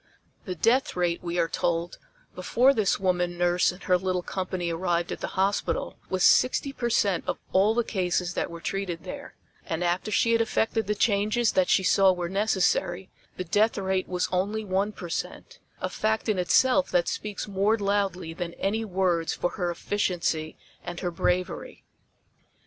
The death rate, we are told, before this woman nurse and her little company arrived at the hospital was sixty percent of all the cases that were treated there and after she had effected the changes that she saw were necessary, the death rate was only one percent a fact in itself that speaks more loudly than any words for her efficiency and her bravery.